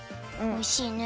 おいしいね。